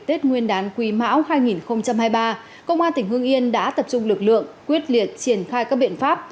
tết nguyên đán quý mão hai nghìn hai mươi ba công an tỉnh hương yên đã tập trung lực lượng quyết liệt triển khai các biện pháp